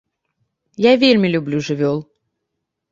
Я вельмі люблю жывёл.